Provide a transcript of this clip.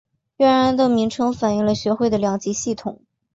原来的名称反应了学会的两级系统。